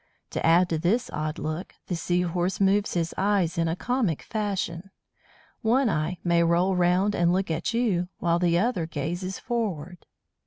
To add to his odd look, the Seahorse moves his eyes in a comic fashion. One eye may roll round and look at you, while the other gazes forward.